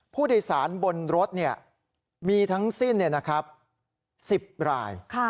ผู้โดยสารบนรถเนี่ยมีทั้งสิ้นเนี่ยนะครับ๑๐ราย